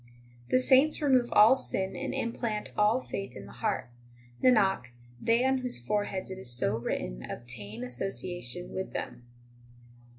22 The saints remove all sin and implant all faith in the heart ; Nanak, they on whose foreheads it is so written obtain association with them.